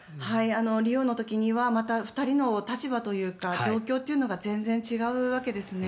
リオの時にはまた２人の立場というか状況というのが全然違うわけですね。